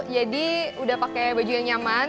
jadi sudah pakai baju yang nyaman